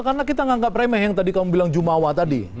karena kita menganggap remeh yang tadi kamu bilang jumawa tadi